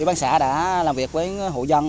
ủy ban xã đã làm việc với hộ dân